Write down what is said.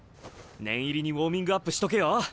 念入りにウォーミングアップしとけよ。